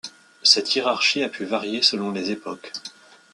Cette hiérarchie a pu varier selon les époques.